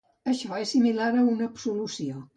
Això és similar a una absolució.